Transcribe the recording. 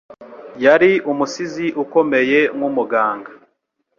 Yari umusizi ukomeye nkumuganga.